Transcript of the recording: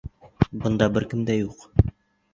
Бында бер кем дә юҡ!